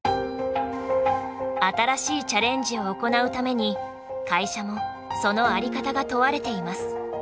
新しいチャレンジを行うために会社もその在り方が問われています。